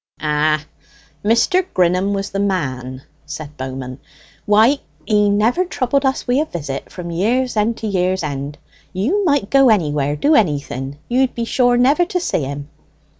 "Ah, Mr. Grinham was the man!" said Bowman. "Why, he never troubled us wi' a visit from year's end to year's end. You might go anywhere, do anything: you'd be sure never to see him."